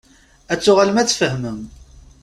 Ad tuɣalem ad tfehmem.